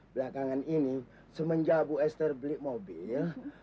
belakangan ini semenjak bu esther beli mobil